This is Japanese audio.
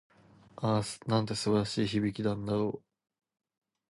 ああ、なんて素晴らしい響きなんだろう。